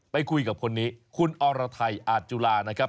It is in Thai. ไปคุยกับคนนี้คุณอรไทยอาจจุลานะครับ